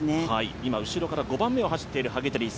今、後ろから５番目を走っている萩谷。